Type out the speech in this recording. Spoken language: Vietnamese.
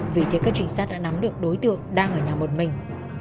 vì thế các trình sát đã nắm được đối tượng đang ở nhà một mình